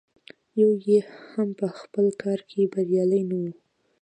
یو یې هم په خپل کار کې بریالی نه و.